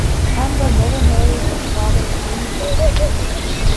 Campbell never married or fathered any children.